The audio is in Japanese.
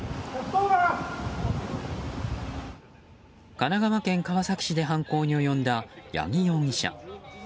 神奈川県川崎市で犯行に及んだ八木容疑者。